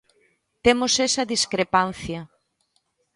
Temos esa discrepancia.